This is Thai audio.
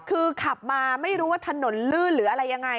คือขับมาไม่รู้ว่าถนนลื่นหรืออะไรยังไง